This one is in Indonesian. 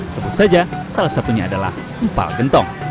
sebut saja salah satunya adalah empal gentong